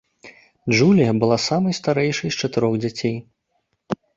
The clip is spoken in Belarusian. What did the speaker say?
Джулія была самай старэйшай з чатырох дзяцей.